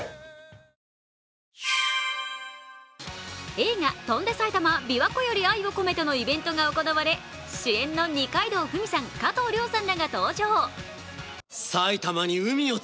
映画「翔んで埼玉琵琶湖より愛をこめて」のイベントが行われ主演の二階堂ふみさん、加藤諒さんらが登場。